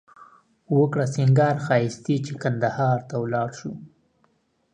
وکړه سینگار ښایښتې چې قندهار ته ولاړ شو